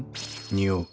匂う。